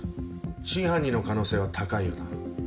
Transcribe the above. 真犯人の可能性は高いよな。